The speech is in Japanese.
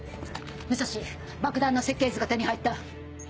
武蔵爆弾の設計図が手に入った。